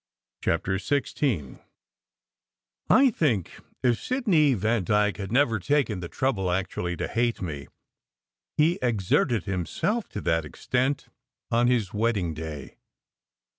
CHAPTER XVI I THINK if Sidney Vandyke had never taken the trouble actually to hate me, he exerted himself to that extent on his wedding day.